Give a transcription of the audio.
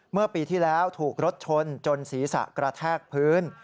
เมื่อปีที่แล้วถูกรถชนจนศีรษะกระแทกพื้น